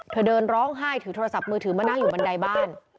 เธอเดินร้องไห้ถือโทรศัพท์มือถือมานั่งอยู่บันไดบ้าน